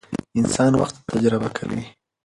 انسان وخت تجربه کوي.